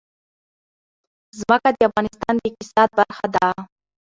ځمکه د افغانستان د اقتصاد برخه ده.